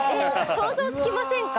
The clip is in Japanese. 想像つきませんか？